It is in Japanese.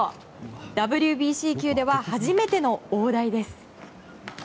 ＷＢＣ球では初めての大台です。